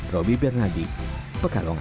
robi bernadi pekalongan